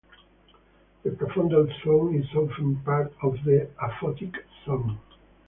The profundal zone is often part of the aphotic zone.